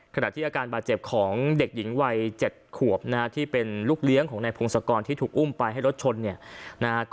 ขณะที่อาการบาดเจ็บของเด็กหญิงวัย๗ขวบที่เป็นลูกเลี้ยงของในภูมิศกรรมที่ถูกอุ้มไปให้รถชน